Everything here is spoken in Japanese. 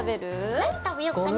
何食べよっかな？